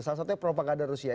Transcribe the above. salah satunya propaganda rusia